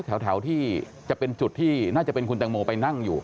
แถวที่จะเป็นจุดที่น่าจะเป็นคุณแตงโมไปนั่งอยู่